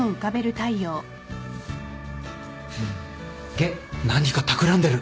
げっ何かたくらんでる。